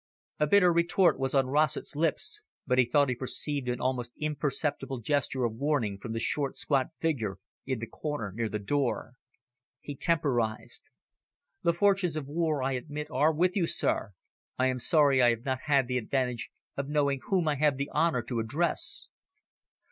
A bitter retort was on Rossett's lips, but he thought he perceived an almost imperceptible gesture of warning from the short, squat figure in the corner near the door. He temporised. "The fortunes of war, I admit, are with you, sir. I am sorry I have not the advantage of knowing whom I have the honour to address."